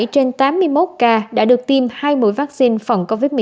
ba mươi bảy trên tám mươi một ca đã được tiêm hai mũi vắc xin phòng covid một mươi chín